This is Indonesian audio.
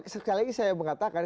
sekali lagi saya mengatakan